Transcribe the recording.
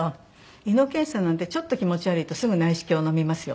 胃の検査なんてちょっと気持ち悪いとすぐ内視鏡のみますよ。